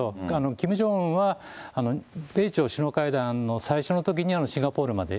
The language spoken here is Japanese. キム・ジョンウンは、米朝首脳会談の最初のときにシンガポールまで。